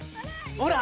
ほら！